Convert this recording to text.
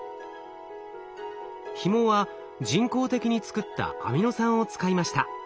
ひもは人工的に作ったアミノ酸を使いました。